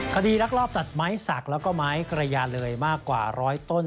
คดีรักรอบตัดไม้สักแล้วก็ไม้กระยาเลยมากกว่าร้อยต้น